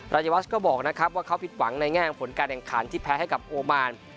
รายวัชก็บอกนะครับว่าเขาผิดหวังในแง่ของผลการแข่งขันที่แพ้ให้กับโอมาน